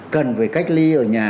cần về cách ly ở nhà